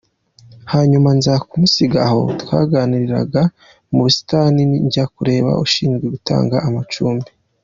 Hanyuma nza kumusiga aho twaganiriraga mu busitani, njya kureba ushinzwe gutanga amacumbi.